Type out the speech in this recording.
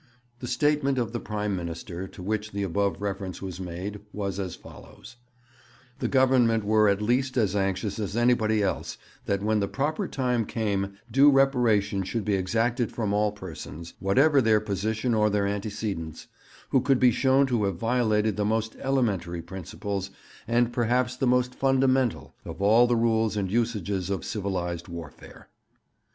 The statement of the Prime Minister to which the above reference was made was as follows: 'The Government were at least as anxious as anybody else that when the proper time came due reparation should be exacted from all persons, whatever their position or their antecedents, who could be shown to have violated the most elementary principles, and perhaps the most fundamental, of all the rules and usages of civilized warfare.'